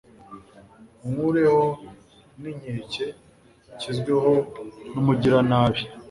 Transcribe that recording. unkureho n'inkeke nshyizweho n'umugiranabi